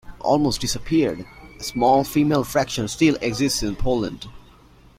Almost disappeared, a small female fraction still exists in Poland.